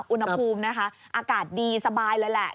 อุณหภูมินะคะอากาศดีสบายเลยแหละ